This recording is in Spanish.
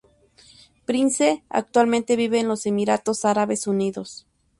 Prince actualmente vive en los Emiratos Árabes Unidos.